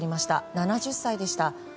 ７０歳でした。